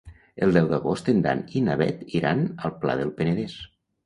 El deu d'agost en Dan i na Bet iran al Pla del Penedès.